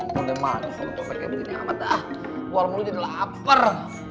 ampun deh manis gue pake begini amat dah walau lo jadi lapar